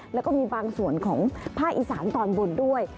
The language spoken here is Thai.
แล้วก็มีบางส่วนของภาคอีสานตอนบนด้วย